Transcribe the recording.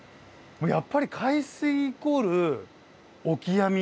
やっぱり海水イコールオキアミ。